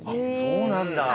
そうなんだ。